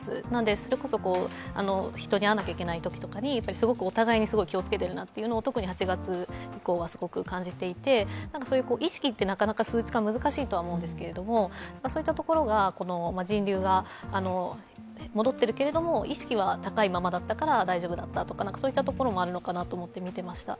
それこそ人に会わなきゃいけないときにお互いに気をつけているなと特に８月以降はすごく感じていて意識ってなかなか数値化は難しいと思うんですけどそういったところが人流が戻ってるけれども意識は高いままだったから大丈夫だったとかそういったところもあるのかなと思って見ていました。